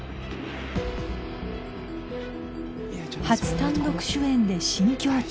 初単独主演で新境地